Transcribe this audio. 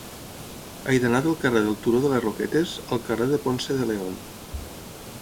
He d'anar del carrer del Turó de les Roquetes al carrer de Ponce de León.